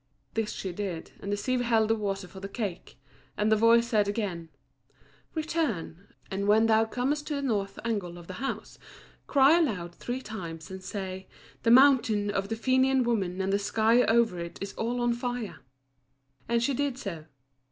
This she did, and the sieve held the water for the cake; and the voice said again "Return, and when thou comest to the north angle of the house, cry aloud three times and say, 'The mountain of the Fenian women and the sky over it is all on fire.'" And she did so.